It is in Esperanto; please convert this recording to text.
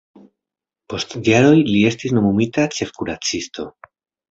Post jaroj li estis nomumita ĉefkuracisto.